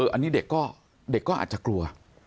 อันนี้เด็กก็อาจจะกลัว